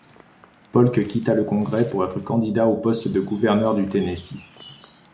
Polk quitta le Congrès pour être candidat au poste de gouverneur du Tennessee.